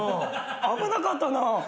危なかったな。